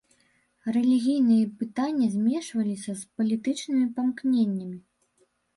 Рэлігійныя пытанні змешваліся з палітычнымі памкненнямі.